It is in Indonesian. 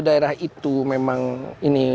daerah itu memang ini